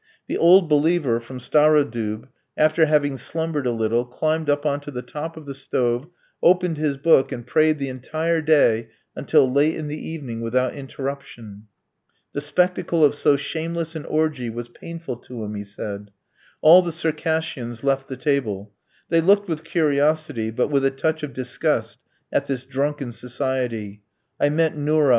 The "old believer" from Starodoub, after having slumbered a little, climbed up on to the top of the stove, opened his book, and prayed the entire day until late in the evening without interruption. The spectacle of so shameless an orgie was painful to him, he said. All the Circassians left the table. They looked with curiosity, but with a touch of disgust, at this drunken society. I met Nourra.